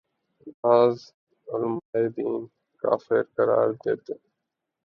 بعض علماے دین کافر قرار دیتے